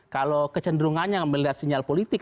kalau kecenderungannya melihat sinyal politik